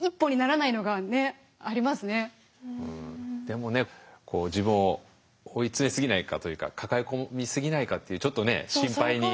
でもね自分を追い詰めすぎないかというか抱え込みすぎないかっていうちょっとね心配に。